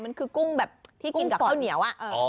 มันคือกุ้งแบบที่กินกับข้าวเหนียว